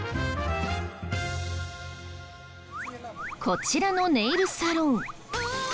こちらのネイルサロン。